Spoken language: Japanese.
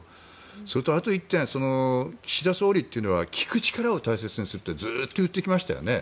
それと、あと１点岸田総理というのは聞く力を大切にするってずっと言ってきましたよね。